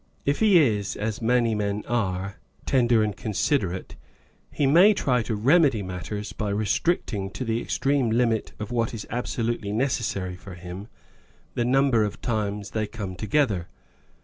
If he is, as many men are, tender and considerate^ he may try to remedy matters by restricting to the extreme limit of what is absolutely necessary for him, the number of times they come together.